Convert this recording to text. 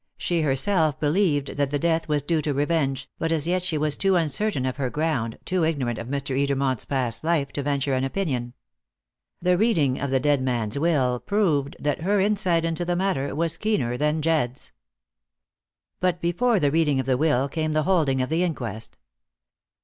She herself believed that the death was due to revenge, but as yet she was too uncertain of her ground, too ignorant of Mr. Edermont's past life, to venture an opinion. The reading of the dead man's will proved that her insight into the matter was keener than Jedd's. But before the reading of the will came the holding of the inquest.